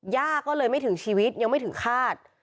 ย่าก็เลยไม่ถึงชีวิตยังไม่ถึงคาด